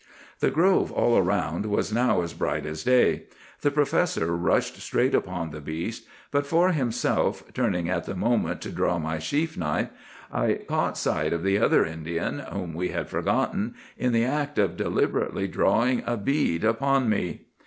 "The grove all around was now as bright as day. The professor rushed straight upon the beast; but for myself, turning at the moment to draw my sheath knife, I caught sight of the other Indian, whom we had forgotten, in the act of deliberately drawing a bead upon me.